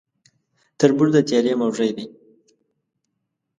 تر بور د تيارې موږى دى.